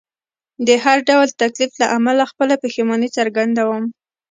د هر ډول تکلیف له امله خپله پښیماني څرګندوم.